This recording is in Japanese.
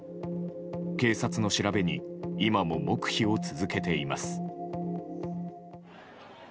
警察の調べに今も黙秘を続けています。